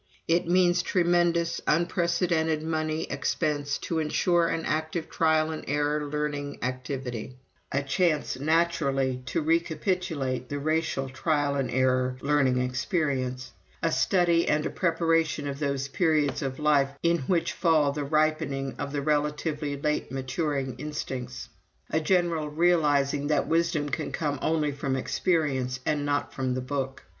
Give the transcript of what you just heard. It means tremendous, unprecedented money expense to ensure an active trial and error learning activity; a chance naturally to recapitulate the racial trial and error learning experience; a study and preparation of those periods of life in which fall the ripening of the relatively late maturing instincts; a general realizing that wisdom can come only from experience, and not from the Book.